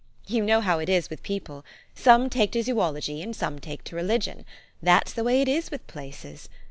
You know how it is with people : some take to zoology, and some take to religion. That's the way it is with places.